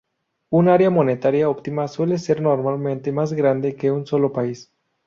Un área monetaria óptima suele ser normalmente más grande que un solo país.